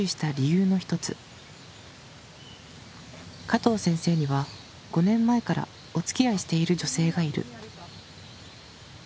加藤先生には５年前からおつきあいしている女性がいる。